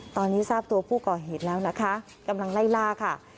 ตอนนี้ทราบตัวผู้ก่อเหตุแล้วนะคะกำลังไล่ล่าค่ะ